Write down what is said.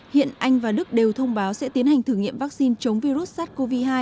hiện anh và đức đều thông báo sẽ tiến hành thử nghiệm vaccine chống virus sars cov hai